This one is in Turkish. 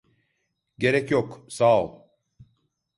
Gerek yok, sağ ol.